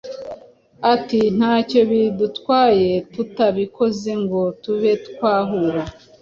Ati“Ntacyo bidutwaye tutabikoze ngo tube twahura,